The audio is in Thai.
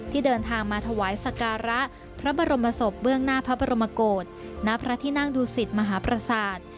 เดินทางมาถวายสการะพระบรมศพเบื้องหน้าพระบรมโกศณพระที่นั่งดูสิตมหาประสาท